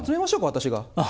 私が。